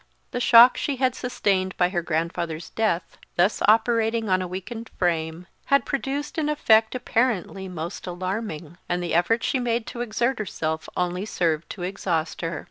The shock she had sustained by her grandfather's death, thus operating on a weakened frame, had produced an effect apparently most alarming; and the efforts she made to exert herself only served to exhaust her.